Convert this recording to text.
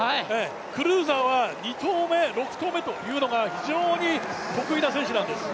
クルーザーは２投目、６投目というのが非常に得意な選手なんです。